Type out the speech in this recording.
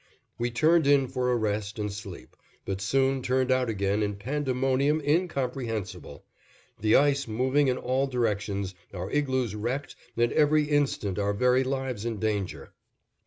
We turned in for a rest and sleep, but soon turned out again in pandemonium incomprehensible; the ice moving in all directions, our igloos wrecked, and every instant our very lives in danger.